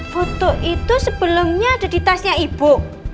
putu itu sebelumnya ada di tasnya ibu